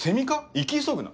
生き急ぐな。